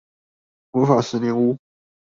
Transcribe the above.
魔法十年屋